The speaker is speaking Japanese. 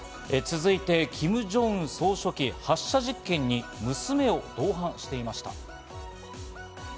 続いてキム・ジョンウン総書記、発射実験に娘を同伴していました。